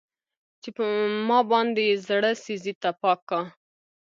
چې ما باندې يې زړه سيزي تپاک کا